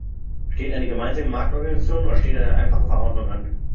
Steht eine Gemeinsame Marktorganisation oder steht eine einfache Verordnung an?